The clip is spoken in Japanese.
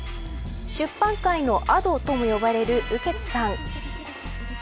出版界のＡｄｏとも呼ばれる雨穴さん。